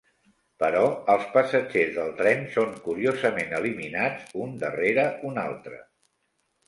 Però els passatgers del tren són curiosament eliminats un darrere un altre.